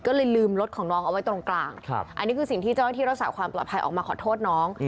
ก็เลยลืมรถของน้องเอาไว้ตรงกลางอันนี้คือสิ่งที่เจ้าหน้าที่รักษาความปลอดภัยออกมาขอโทษน้อง